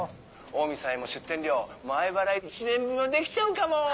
オウミさんへも出店料前払い１年分はできちゃうかも。